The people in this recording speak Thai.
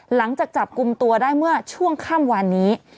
หลังจากจับคุมตัวได้เมื่อช่วงข้ามวันนี้